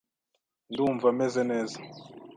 Ndumva meze neza .